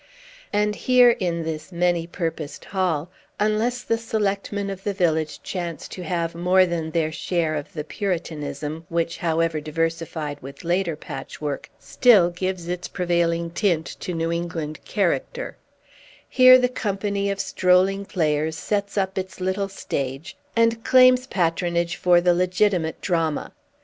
And here, in this many purposed hall (unless the selectmen of the village chance to have more than their share of the Puritanism, which, however diversified with later patchwork, still gives its prevailing tint to New England character), here the company of strolling players sets up its little stage, and claims patronage for the legitimate drama.